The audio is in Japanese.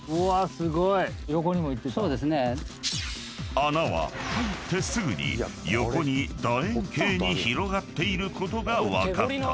［穴は入ってすぐに横に楕円形に広がっていることが分かった］